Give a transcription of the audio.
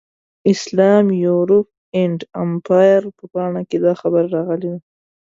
اسلام، یورپ اینډ امپایر په پاڼه کې دا خبره راغلې ده.